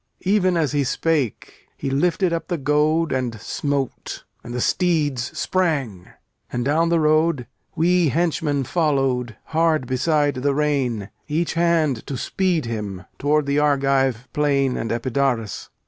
Even as he spake, he lifted up the goad And smote; and the steeds sprang. And down the road We henchmen followed, hard beside the rein, Each hand, to speed him, toward the Argive plain And Epidaurus.